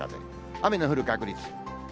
雨の降る確率。